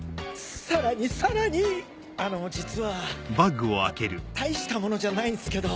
さらにさらにあの実は大したものじゃないっすけど。